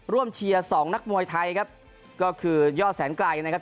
เชียร์สองนักมวยไทยครับก็คือยอดแสนไกลนะครับ